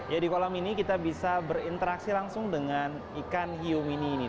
ya di kolam ini kita bisa berinteraksi langsung dengan ikan hiu mini ini